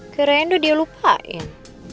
kayaknya udah dia lupain